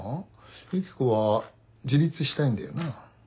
ユキコは自立したいんだよな？